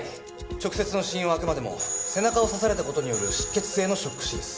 直接の死因はあくまでも背中を刺された事による失血性のショック死です。